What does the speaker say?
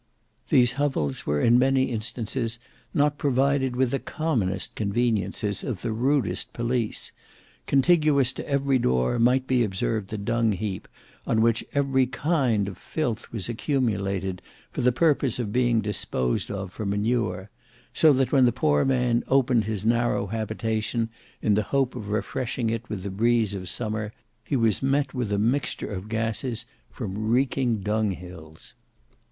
These hovels were in many instances not provided with the commonest conveniences of the rudest police; contiguous to every door might be observed the dung heap on which every kind of filth was accumulated, for the purpose of being disposed of for manure, so that, when the poor man opened his narrow habitation in the hope of refreshing it with the breeze of summer, he was met with a mixture of gases from reeking dunghills.